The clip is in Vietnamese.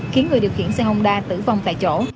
khiến người điều khiển xe honda tử vong tại chỗ